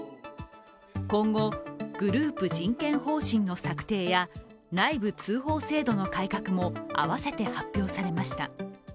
今後グループ人権方針の策定や内部通報制度の改革も併せて発表されました。